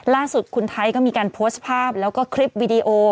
ล่าสุดคุณไทยก็มีการโพสต์ภาพแล้วก็คลิปวิดีโอ